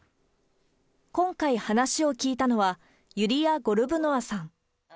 今回話を聞いたのは、ユリア・ゴルブノワさん。